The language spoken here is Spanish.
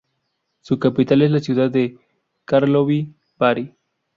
Su capital es la ciudad de Karlovy Vary.